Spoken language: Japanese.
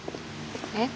えっ？